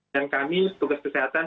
dan kami tugas kesehatan